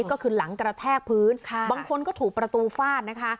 ก็คือหลังกระแทกพื้นบางคนก็ถูกประตูฟาดนะคะ